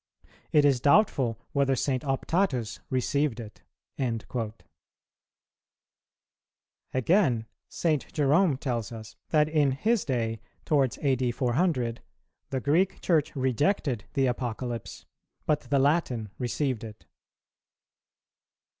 It is doubtful whether St. Optatus received it."[124:3] Again, St. Jerome tells us, that in his day, towards A.D. 400, the Greek Church rejected the Apocalypse, but the Latin received it.